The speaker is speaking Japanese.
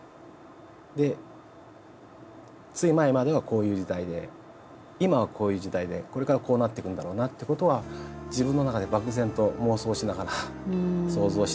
でつい前まではこういう時代で今はこういう時代でこれからこうなっていくんだろうなってことは自分の中で漠然と妄想しながら想像しながら。